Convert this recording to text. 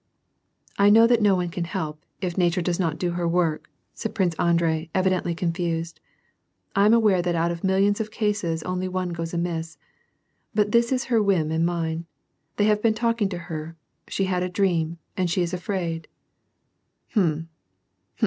" I know that no one can help, if nature does not do her work," said Prince Andrei, evidently confused, " I am aware that out of millions of cases only one goes amiss ; but this is her whim and mine. They have.been talking to her, she had a dream, and she is afraid." " Hm